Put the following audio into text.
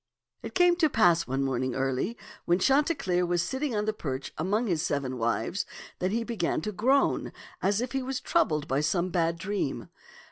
'* It came to pass one morning early, when Chanti cleer was sitting on the perch among his seven wives, that he began to groan as if he was troubled by some bad dream.